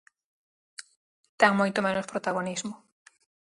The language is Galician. Ten moito menos protagonismo.